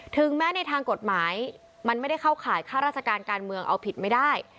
ถึงแม้ในทางกฎหมายมันไม่ได้เข้าข่ายค่าราชการการเมืองเอาผิดไม่ได้